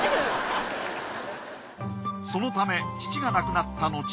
そのため父が亡くなったのち